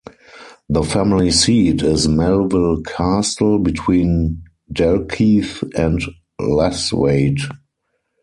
The family seat is Melville Castle between Dalkeith and Lasswade.